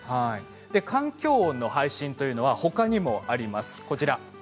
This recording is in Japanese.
環境音の配信はほかにもあります。